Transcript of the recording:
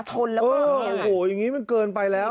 โรโหยังงี้มันเกินไปแล้ว